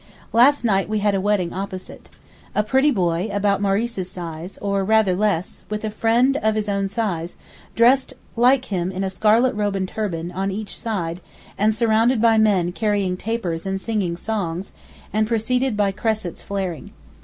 Last night we had a wedding opposite. A pretty boy, about Maurice's size, or rather less, with a friend of his own size, dressed like him in a scarlet robe and turban, on each side, and surrounded by men carrying tapers and singing songs, and preceded by cressets flaring.